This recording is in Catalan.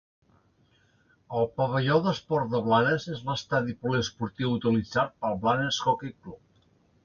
El Pavelló d'Esports de Blanes és l'estadi poliesportiu utilitzat pel Blanes Hoquei Club.